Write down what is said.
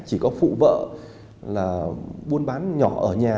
chỉ có phụ vợ là buôn bán nhỏ ở nhà